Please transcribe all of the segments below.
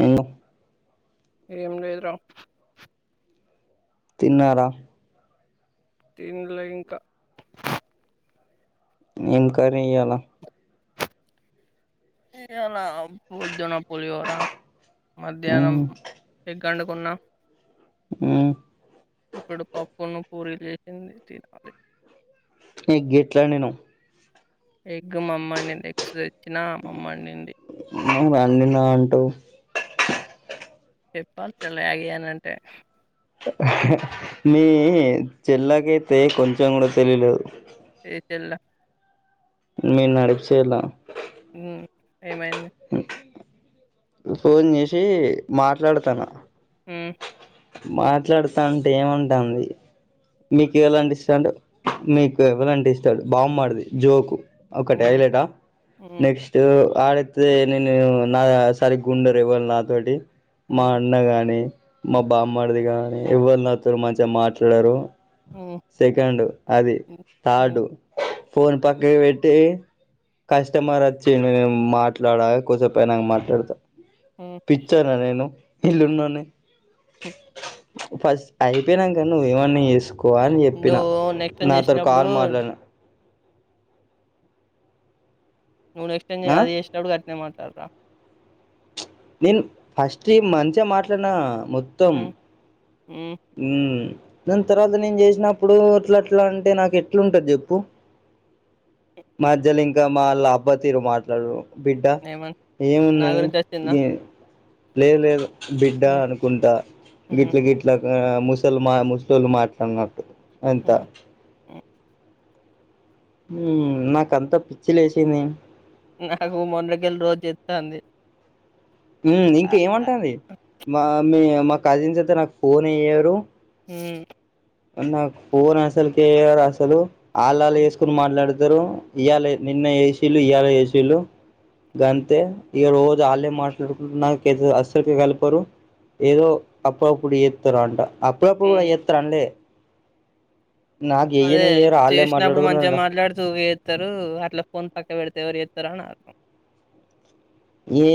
ఏమో ఏం లేదు రా తిన్నారా తినలే ఇంకా ఏం కర్రీ ఈయాల ఏలా పొద్దున పులిహోర మధ్యాహ్నం మ్మ్ ఎగ్గు ఆడుకున్నాం ఉ ఇప్పుడు పప్పు పూరీలు చేసింది తినాలే ఎగ్గు ఎట్లా ఆడినవ్ ఎగ్ మమ్మీ అండిది ఎగ్స్ తెచ్చినా మమ్మీ ఆండింది నువ్వు అండినా అంటావ్ చెప్పాలి చెలా ఆగి అంటే మీ చెల్లకైతే కొంచెం కూడా తెలివి లేదు ఏ చెల్లె మీ నడిపి చెల్లె ఉ ఏమైంది ఫోన్ చేసి మాట్లాడతాన ఉ మాట్లాడుతానా అంటే ఏమంటాంది మీకు ఎవరు అంటే ఇష్టం మీకు ఎవరు అంటే ఇష్టం బామ్మర్ది జోకు ఒక అయిలేటా ఉమ్ నెక్స్ట్ ఆడతే నేను నా సారిగుండరు ఎవలు నాతోటి మా ఉమ్ అన్న గాని మా బామ్మది గాని ఎవ్వరు నాతోని మంచిగా మాట్లాడారు ఉమ్ ఉమ్ సెకండు అది ఉమ్ ఉమ్ థర్డు ఫోన్ పక్కకి పేటి కస్మర్ వచ్చిండు నేను మాట్లాడలి కుంసేపాయక మాట్లాడతా ఉమ్ పిచ్చానా నేను ఇళ్ళునోడిని హ్ ఫస్ట్ అయిపోయినాక నువ్వు ఏమన్నా చేసుకో తక్కు అని చెప్పినా నువ్వు నెక్స్ట్ టైం నాతోను చేసినప్పుడు కాల్ మాట్లాడిన నువ్వు నెక్సటింకా ఆ అది చేసేప్పుడు గట్నే మాట్లాడరా నేను ఫస్ట్ మంచిగా మాట్లాడినా మొత్తం ఉమ్ ఉమ్ ఉం దాని తర్వాత నేను చేసినప్పుడు అట్లా అట్లా అంటే నాకు ఎట్లు ఉంటది చెప్పు మాధ్యలో ఇంకా మాళ్ళ అబ్బా తీరు మాట్లాడరు బిడ్డ ఏమని నా ఏమున్నది గురించి వచ్చిందా ఏం లేదు లేదు బిడ్డ ఉమ్ అనుకుంటా ఉమ్ గిట్లు గిట్లు ఆ ముసల్మా ముసలుళ్లు మాట్లాడినట్టు అంత ఉమ్ ఉమ్ హ్మ్ నాకంతా పిచ్చి లేసింది నాకు మొన్నటికేల్ రోజు చేతే అంది హ్మ్ ఇంకేమంటుంది మా మీ మా కజిన్స్ అయితే నాకు ఫోన్ చేయరు హ్మ్ నాకు ఫోన్ అసలు కేయరు అసలు ఆళ్ళళు చేసుకుని మాట్లాడుత ఇద్దరు ఇయాల నిన్న ఏసీలు ఇయళ ఏసీలు గంతే ఇక రోజు వాళ్ళే మాట్లాడుకుంటు నాకు అస్సలుకి కలపరు ఏదో అప్పుడుప్పుడు చేతరు అంట అప్పుడప్పుడు కూడా హ్మ్. చెత్తరు అన్లే నాకు అదే చెయ్యనే చెయ్యరు ఆళ్ళే చేసినప్పుడు మంచిగా మాట్లాడుకున్నారంట మాట్లాడుతూ వే చెస్తారు అట్లా ఫోన్ పక్క పెడితే ఎవరు చెత్తరు అని ఏ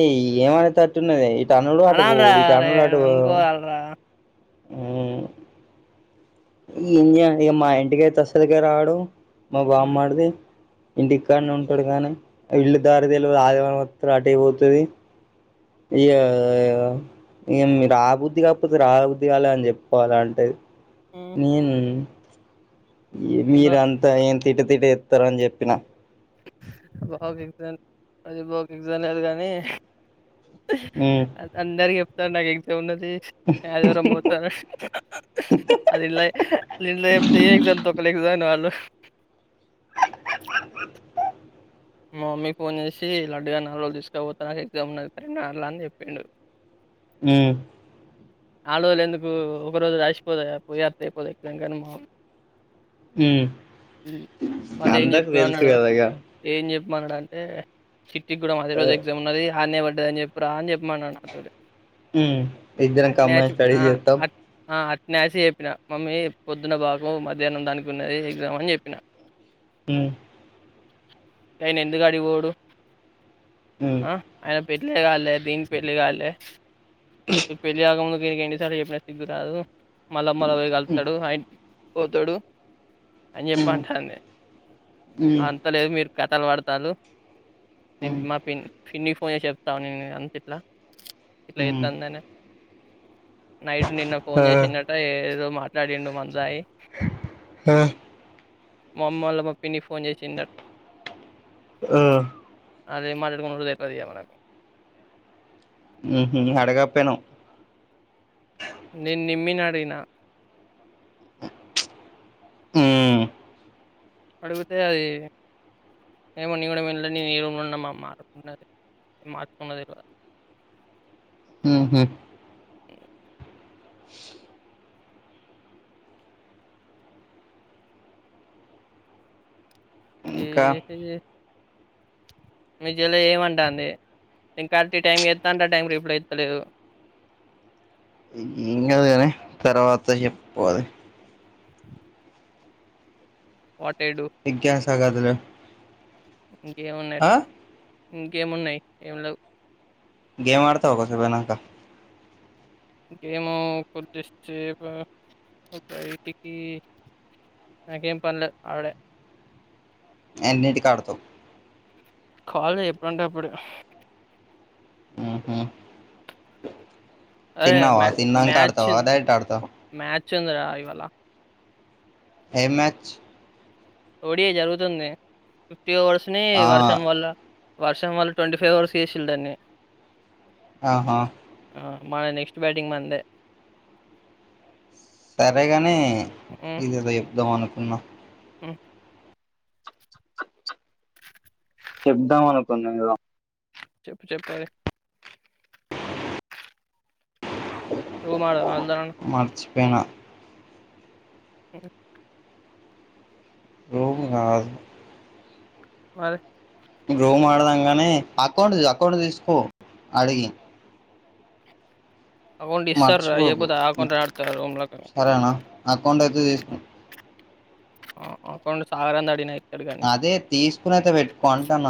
ఏమనేదిట్టున్నద ఈ టన్నులు అటు పో అనాలిరా ఈ అరే టన్నులు అటు పో అనుకోవాలిరా. ఆ ఏం చేయాలిగ మా ఇంటికి అయితే అసలకే రాడు మా హ్మ్. బామ్మది ఇంటి ఇక్కనే ఉంటాడు కానీ ఇల్లు దారి తెలవదు ఆదివారం మాత్రం అటెపోతది య ఏ మీ రాబుద్ధి కాకపోతే రాబుద్ధిగాలే అని చెప్పాల అంటది హ్మ్. నేను బా మీర అంతా ఏం తిట తిటి ఇతరని చెప్పినా బాగు ఎగ్జాన్ అది బాకి ఎగ్జా లేదు కానీ ఉమ్ అందరికీ చెప్తా నాకు ఎక్సమ్ ఉందని అది నేన్ ఆదివారం పోత అది ఇలా నిన్న చెప్తే ఎంతో లెగిసానలో మా మమ్మీకి ఫోన్ చేసి లడ్డుగండి నాలు రోజులు తీసుకుకపోతే నాకు ఎగ్జామ్ నాకు తడి అర్లా అని చెప్పిండు హ్మ్ నాలుగు రోజులు ఎందుకు ఒక రోజు రాసిపోదా పోయారు త అయిపోదు ఇట్ంకని మా ఉమ్ హ్ మళ్ళీ ఏం అందరికి చెప్పా తెలుసు అన్నాడు కదా ఇగ ఏం చెప్ప చెప్పమన్నాడు అంటే సిట్టికి కూడా అదే రోజు ఎగ్జామ్ ఉన్నది ఆనే పడ్డది అని చెప్పప్పు రా అని చెప్పమన్నాడు నాతోడు ఇద్దరం కంబండ్ స్టడీ చేస్తాం స్సి చెప్పిన మమ్మీ పొద్దున్న బాగం మధ్యాహ్నం దానికి ఉన్నది ఎగ్జామ్ అని చెప్పినా ఎ ఆయన ఎందుకు అడిపోడు ఉమ్ ఆ ఆయన పిల్లే కాలె దిన్ పేల్లి కాాలె పేల్లిగాక మ దీనికి ఎన్నిసార్లు చెప్పిన సిగ్గురాదు మళ్ళా మళ్ళ ఉమ్ కలుతాడు అయి పోతాడు అని చెప్పి ఉమ్ అంటడి అంత లేదు మీరు కథలు పడతారు ఉమ్ ేను మా పి పిన్నికి ఫోన్ చేసి చెప్తాను నే అంత ఇట్లా ఇట్లా ఎ ఉమ్ తందనా నైట్ నిన్న ఫోన్ ఆ చేసిన్నట ఏదో మాట్లాడిండు మందుతాయి ఆ మా అమ్మళ్ళ మ ప్పిని ఫోన్ చేసిండ ఆ అదిే మారి ర రేట్ది మకు ఊహు అడగకపోయినవ్ నేన్ నిమ్మిని అడిగిన ఉమ్ అడిగితే అది ఏేమన్న కూడ వెళం న ఈ రూమ్ లో ఉన్నామా అన్నది మట్కనదిల్వ ఉహు ఏ ఇంకా తిన్ చె మీ చెల్లి ఏమంటా అండి ఇంక కాట్టి ఈ టైంకి ఎస్తాంటే టైం రిప్లై ఇస్తలేదు ఏ ఏమిగాదు గాని తర్వాత చెప్పు అది వాట్ ఐ డూ ఇకా ఎం సంగతులు ఇంకేము ఉన్నాయి ఆ రా ఇంకేము ఉన్నాయి ఏమి లేవు గేమ్ ఆడుతావా కొంచెం సేపు అయినాక ఏమో కొద్ది సేపు బయటికి నాకేం పనిలే ఆడె ఎన్నింటికీ ఆడతవు కాలీ ఎప్పుడంటే అప్పుడే ఊహు అరే మ తిన్నాంక మ్యాచ్ ఆడతావా డైరెక్ట్ ఆడతావా మ్యాచ్ ఉంది రా ఇవాళ ఏం మ్యాచ్ ఓడి జరుగుతుంది ఫిఫ్టీ ఓవర్స్ ని ఆ వర్షం వల్ల వర్షం వళ్ళా ట్వంటీ ఫైవ్ ఓవర్స్ చేసిరీ దాన్ని ఆహా మది నెక్స్ట్ బ్యాటింగ్ మందే సరేగాని ఇదేదో చెప్దాం అనుకున్నా ఉ చెప్దాం అనుకున్నా ఏదో చెప్పు చెప్పు అదె రూమ్ ఆడు అల్ మర్చిపోయిన హు రూమ్ కాదు మరి రూమ్ ఆడదాంగాని అకౌంట్ అకౌంట్ తీసుకో అడిగి అకౌంట్ ఇస్తార్రా మర్చిపోకు ఇయ్యకపోతే అకౌంట్ ఆడతా రూమ్‌లోకి. సరేనా అకౌంట్ అయితే తీసుకో ఆ అపండు చాయిరన్ అడినయి అదే తీసుకునైతే పెట్టుకో అంటన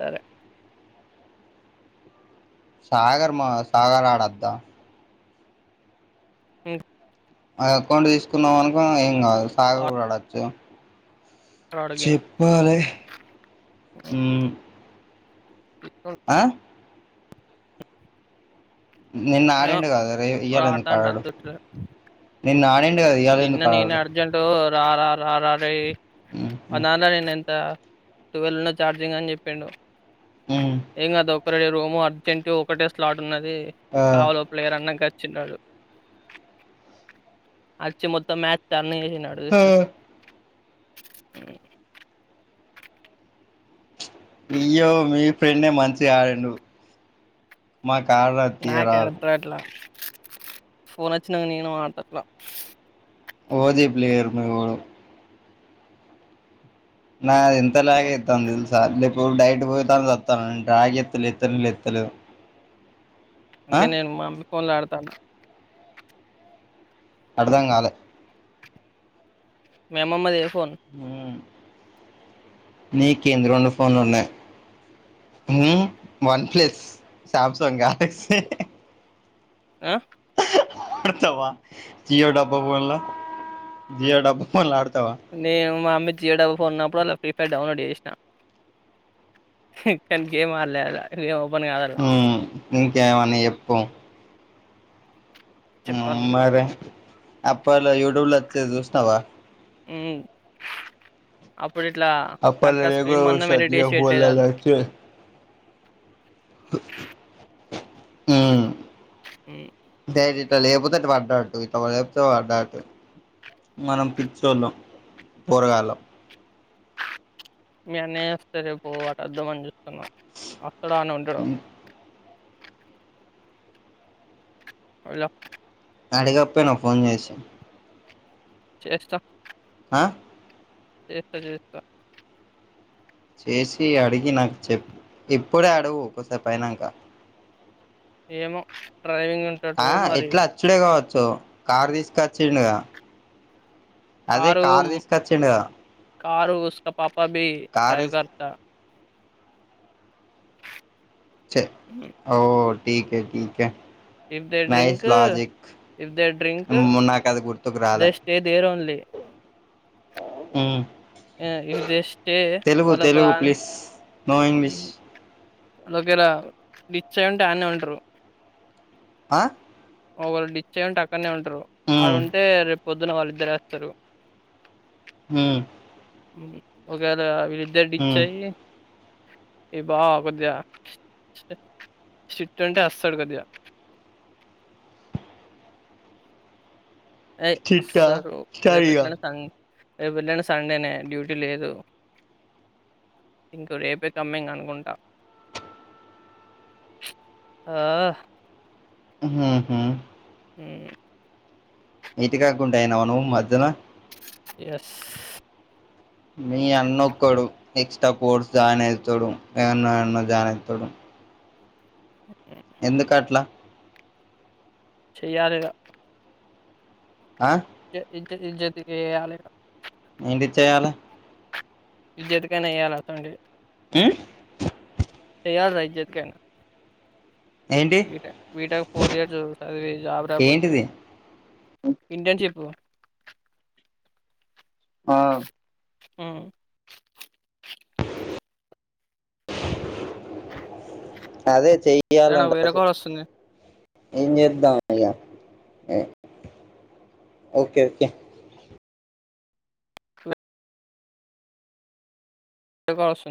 సరే. సాగర్ మా సాగర్ ఆడద్దా మ్ అకౌంట్ తీసుకున్నాం అనుక ఏం కాదు సార్ వాడు గుడాడచ్చు ఆడు గేమ్. చెప్పాలె హ్మ్. ఆ నిన్న ఆడిండు కదా రే ఏమో ఇయ్యాల ఎందుకు టాన్ ఆడాడు టట్టట్లే నిన్న ఆడిండు కదా ఇవాళ నిన్న ఎందుకు నేను ఆడాడు అర్జెంట్ రా రా రా రా రేయ్ ఉమ్, ఉమ్, అనన నేనెంత టువెల్ ఉన్న ఛార్జింగ్ అని జెప్పిండు మ్మ్ రోము అర్జెంట్ ఒకటే స్లాట్ ఉన్నది ఆ, కావలో ప్లేయర్ అన్నంక చిన్న అచ్చి మొత్తం మ్యాచ్ టర్న్ చేసి ఆ. నాడజూసినాక ఇయ్యో మీ ఫ్రెండే మంచి గాడిండు మాక్ కార తీయరాల్ పోన్ వచ్చినంగ నేను ఆడతట్లా ఓదీ ప్లేయర్ మివు నా ఇంత ఫోన్ లాగేత్తాంది దెలుసా డైట్ పొయితాను వత్తాను ఇంటాయ్ చెప్తే లేప్తనే లేప్తలేవ్ అంటే నేను మామిడ్ ఫోన్లు ఆడతాను అడ్దం గాలే మేమమ్మ దే నీ కేంద్రి రొండు ఫోన్లు ఉన్నె one plus Samsung Galaxy ఆ ఆడుతవా జియో డబ్బా బోన్ల జియో డబ్బా ఫోన్లో ఆడు నేను మా అమ్మీ తీయడవ్ ఫొన్నప్పుడలా డౌన్లోడ్ చేసినా కాని గేమ్ ఆడ్లే మ్మ్ ఇంకేవని చెప్పు చెప్పాలనుకున్నా మరె అప్పడ్లో యూట్యూబ్లో అచ్చేది జూస్నవా మ్మ్ ప్పుడిట్లా కరెక్ట్ అప్పట్లో గా నేను కూడా స్క్రీన్ మందం చూసిన ఎడిట్ జియో చేసి ఫోన్లలో పెట్టేదాళ్ళు మ్మ్ ఉమ్, డైరె లేపోతే ఇటు పడ్డాట్టు ఇట్ల లేపోతే పడ్డాట్టు మనం పిచ్చోళ్ళం పోరగాలం మీ అనేస్త రే పో వాటు అర్ధం అని చూస్తున్నా అసడు అని ఉంటడు ఒల అడిగప్పే ను ఫోన్ చేసి చేస్త ఆ చేస్త చేస్త చేసి అడిగి నాకు చెప్పు ఎప్పుడే అడుగు కొసేపు అయినంక ఏమో డ్రైవింగ్ ఉంటాడో ఆ మరి ఎట్లా అచ్చుడే కావచ్చు కారు తీసుకచ్చిండుగా అదే కార్ తీసుకచ్చిండు కార్ ఉస్కా పాపా బి డ్రైవ్ కర్త తీసుకొచ్చి చె ఓ టీకే టీకే if they nice drink logic if they drink మ్ నాకది గుర్తుకు దే రాలే స్టే దేర్ ఓన్లీ మ్ ఏ ఇది జస్ట్ ఎ తెలుగు వాళ్ళకొదాన్ ప్లీజ్ నో ఇంగ్లీష్ వాల్ ఒకేల డిచ్ అయ్యుంటే ఆడ్నే ఉంటారు ఆ ఒకవేళ డిచ్ అయుంటే అక్కడనే ఉంటారు మ్మ్ ఆడుంటే రేపు పొద్దున వాళ్ళిద్దరు ఏత్తారు మ్ మ్ ఒకవేళ వీళ్ళిద్దరి మ్మ్ డిచ్చయి ఏ వాకొద్దా షిట్ అంటే అస్తాడు కొద్దిగ ఏయ్ చిట్టా వస్తారు రేపు స్టడీగా ఎట్లయిన కన్ రేపు ఎట్లయినా సండేనే డ్యూటీ లేదు ఇంక రేపే కమ్మేంగ్ అనుకుంటా ఆ మ్ హు మ్ ఇటు కాకుండయినావ నువ్వు మధ్యలో ఎస్ మీ అన్నొక్కడు ఎక్స్ట్రా పోర్ట్స్ జాయిన్ అయితాడు ఎన్నో ఎన్నో జాయిన్ అయితాడు అ ఎందుకట్ల చెయ్యాలిగా ఆ జె ఇజ్జె ఇజ్జతికేయాలిగా ఏంటిచ్చయాల ఇజ్యతికైనా ఎయ్యాల అట్టంటివి మ్ చేయాలిరా ఇజ్జత్ కె ఇంగ ఏంటి బీట బీటక్ ఫోర్ ఇయర్స్ చదివి జాబ్ రాకపోతే ఏంటిది ఇంటెన్షిప్ ఆ మ్ అదే సరే నాకు చెయ్యాలంట వేరే అసె కాల్ ఒస్తుంది. ఏం చేద్దాం ఇగ ఎ ఓకె ఓకె అయిపోవస్తున్